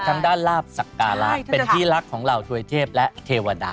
ทางด้านลาบสักการะเป็นที่รักของเหล่าถวยเทพและเทวดา